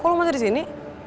kok lu masih di sini